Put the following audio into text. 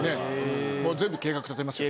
もう全部計画立てますよね。